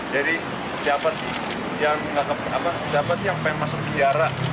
jadi siapa sih yang pengen masuk penjara